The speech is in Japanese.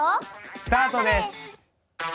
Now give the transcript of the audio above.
スタートです！